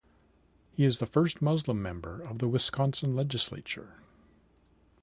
He is the first Muslim member of the Wisconsin Legislature.